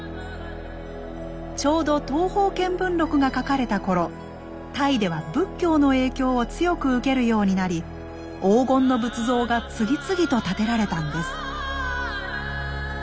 ちょうど「東方見聞録」が書かれた頃タイでは仏教の影響を強く受けるようになり黄金の仏像が次々とたてられたんです。